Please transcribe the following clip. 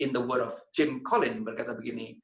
dalam kata jim collins berkata begini